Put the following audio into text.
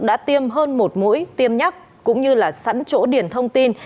đã tiêm hơn một mũi tiêm nhắc cũng như là sẵn chỗ điển thông tin